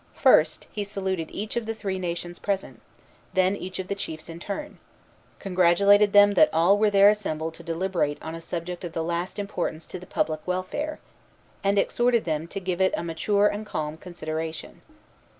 First he saluted each of the three nations present, then each of the chiefs in turn, congratulated them that all were there assembled to deliberate on a subject of the last importance to the public welfare, and exhorted them to give it a mature and calm consideration.